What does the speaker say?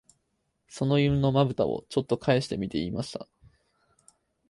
その犬の眼ぶたを、ちょっとかえしてみて言いました